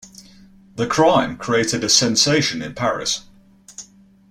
The crime created a sensation in Paris.